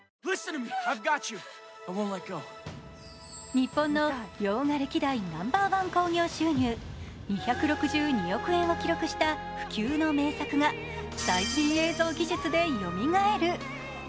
日本の洋画歴代Ｎｏ．１興行収入、２６２億円を記録した不朽の名作が最新映像技術でよみがえる。